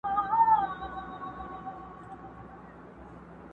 ولسمشر داود خان چي جلال آباد ته